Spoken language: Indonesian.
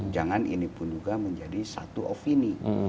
jangan ini pun juga menjadi satu opini